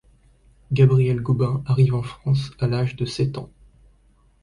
Gabriel Gobin arrive en France à l'âge de sept ans.